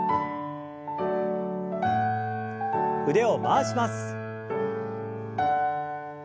腕を回します。